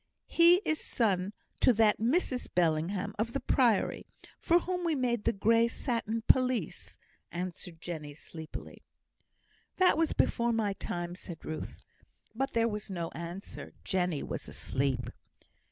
"He is son to that Mrs Bellingham of the Priory, for whom we made the grey satin pelisse," answered Jenny, sleepily. "That was before my time," said Ruth. But there was no answer. Jenny was asleep.